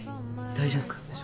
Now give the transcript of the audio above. ・・大丈夫か？